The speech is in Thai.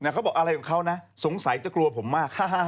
เขาบอกอะไรของเขานะสงสัยจะกลัวผมมาก